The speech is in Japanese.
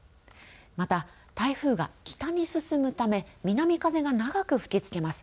また台風が北に進むため南風が長く吹きつけます。